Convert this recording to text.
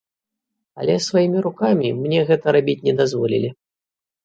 Але сваімі рукамі мне гэта рабіць не дазволілі.